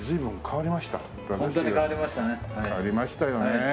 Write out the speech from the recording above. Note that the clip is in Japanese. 変わりましたよね。